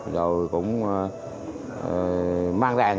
rồi cũng mang ra